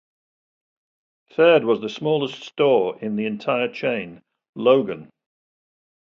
Third was the smallest store in the entire chain - Logan.